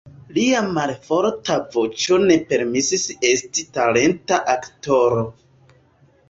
Lia malforta voĉo ne permesis esti talenta aktoro.